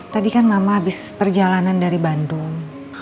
tadi kan mama habis perjalanan dari bandung